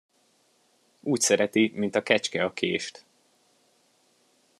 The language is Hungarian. Úgy szereti, mint a kecske a kést.